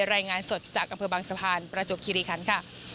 รายงานสดจากอำเภอบางสะพานประจวบคิริคันค่ะ